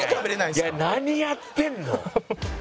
いや何やってんの？